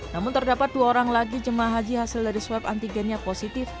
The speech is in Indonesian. namun terdapat dua orang lagi jemaah haji hasil dari swab antigennya positif